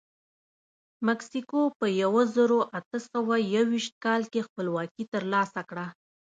مکسیکو په یو زرو اته سوه یوویشت کال کې خپلواکي ترلاسه کړه.